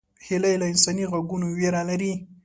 هیلۍ له انساني غږونو ویره لري